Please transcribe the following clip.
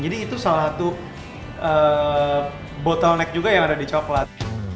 jadi itu salah satu bottleneck juga yang ada di coklat